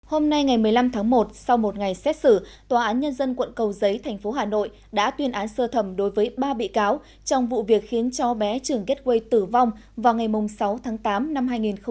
hôm nay ngày một mươi năm tháng một sau một ngày xét xử tòa án nhân dân quận cầu giấy thành phố hà nội đã tuyên án sơ thẩm đối với ba bị cáo trong vụ việc khiến cho bé trưởng gateway tử vong vào ngày sáu tháng tám năm hai nghìn một mươi chín